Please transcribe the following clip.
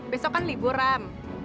besok kan liburan